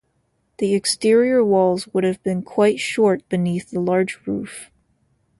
The exterior walls would have been quite short beneath the large roof.